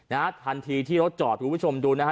นะฮะทันทีที่รถจอดคุณผู้ชมดูนะฮะ